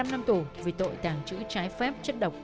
một mươi năm năm tù vì tội tàng trữ trái phép chất độc